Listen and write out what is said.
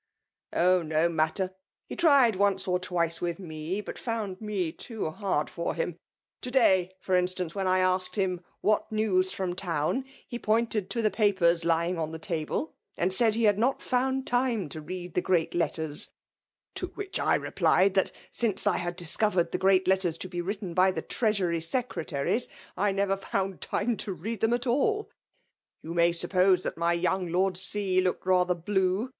^*' Oh ! no matter ! He tried once or twice with me, bat found me too hard for him. To day^ tat instance, when I asked him ' what news from town ?' he pointed to the papers lying oa the table, and said he had not found time to read the great letters , to which 1 re K 2 pliedi tkat ' since I liad dLiooTered the ^roUt letters to be Arritten by the Trestsury SeerdT tarics, I never found time to read them at.alL* You may suppose that my young Lotd Set« looked rather blue